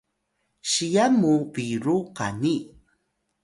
siyan mu biru qani